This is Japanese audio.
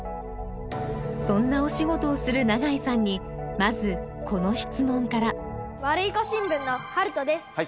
そんなお仕事をする永井さんにまずこの質問からワルイコ新聞のはるとです。